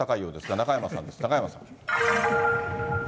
中山さん。